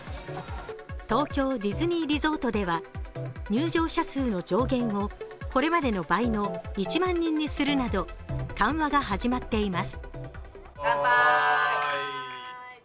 東京ディズニーリゾートでは入場者数の上限をこれまでの倍の１万人にするなど緩和が始まっています。